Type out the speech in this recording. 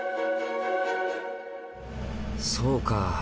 そうか。